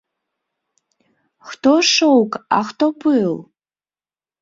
Хто шоўк, а хто пыл?!